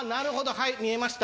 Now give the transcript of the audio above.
はい見えました。